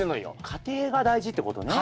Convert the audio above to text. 過程が大事ってことね。